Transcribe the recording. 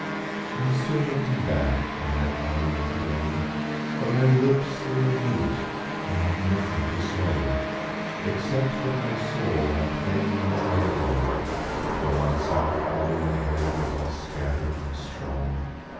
I m still looking back on that island today, But my lips they are mute I have nothing to say, Kxcept that my soul I claim as my own, Tho my soft auburn hair is all scatter d and strovvn.